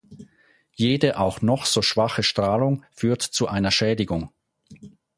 Jede auch noch so schwache Strahlung führt zu einer Schädigung.